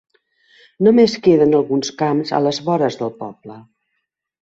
Només queden alguns camps a les vores del poble.